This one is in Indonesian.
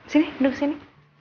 sini duduk sini